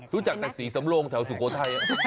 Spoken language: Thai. รู้จักแต่สีสำโรงแถวสุโก้ไทย